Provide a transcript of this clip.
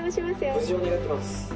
無事を願ってます。